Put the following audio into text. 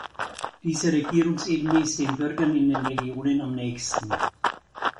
Diese Regierungsebene ist den Bürgern in den Regionen am nächsten.